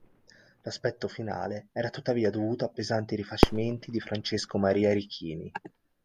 L'aspetto finale era tuttavia dovuto a pesanti rifacimenti di Francesco Maria Richini.